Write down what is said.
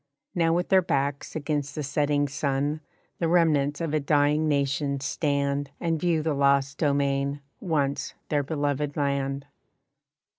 Now with their backs against the setting sun The remnants of a dying nation stand And view the lost domain, once their beloved land.